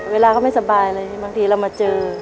เวลาก็ไม่สบายเลยบางทีเรามาเจอ